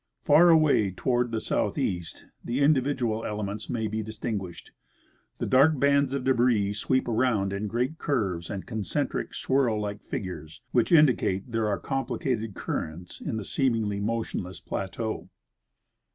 Far away toward the southeast the individual elements may be distinguished. The dark bands of debris sweep around in great curves and concentric, swirl like figures, which indicate that there are complicated currents in the seemingly motionless plateau.